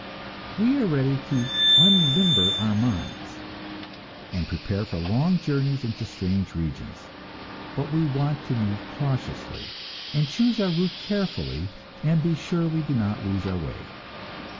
We are ready to unlimber our minds, and prepare for long journeys into strange regions, but we want to move cautiously, and choose our route carefully, and be sure we do not lose our way!